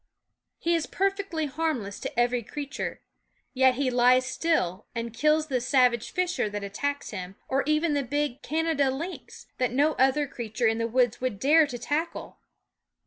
He is perfectly harmless to every creature; yet he lies still and kills the savage fisher that attacks him, or even the big Canada lynx, that no other creature in the woods would dare to tackle.